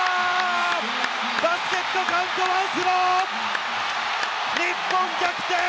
バスケットカウントワンスロー！日本逆転！